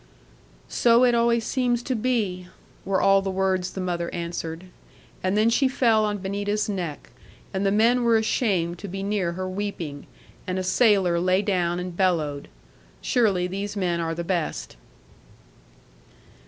'"So it always seems to be," were all the words the mother' answered; and then she fell on Benita's neck; and the men were ashamed to be near her weeping; and a sailor lay down and bellowed. Surely these men are the best.